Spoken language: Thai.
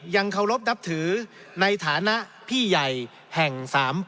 ยังเคารพนับถือในฐานะพี่ใหญ่แห่งสามปอ